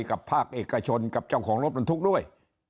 กับภาคเอกชนกับเจ้าของรถบรรทุกด้วย